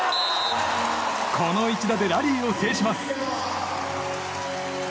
この一打でラリーを制します。